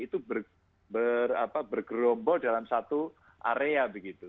itu bergerombol dalam satu area begitu